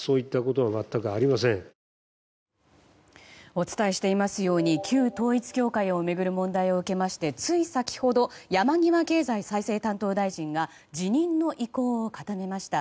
お伝えしていますように旧統一教会を巡る問題を受けましてつい先ほど山際経済再生担当大臣が辞任の意向を固めました。